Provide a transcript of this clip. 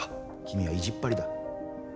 君は意地っ張りだ。